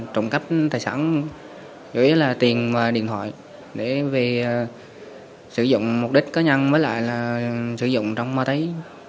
trộm cắp tài sản dưới là tiền và điện thoại để sử dụng mục đích cá nhân với lại sử dụng trong mơ tấy